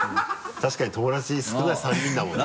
確かに友だち少ない３人だもんな。